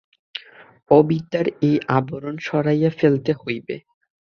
অবিদ্যার এই আবরণ সরাইয়া ফেলিতে হইবে।